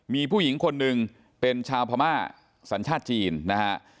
มีผู้หญิงคนหนึ่งเป็นชาวพม่าสัญชาติจีนนะฮะ